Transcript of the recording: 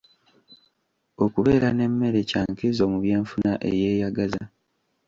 Okubeera n'emmere kya nkizo mu by'enfuna eyeeyagaza.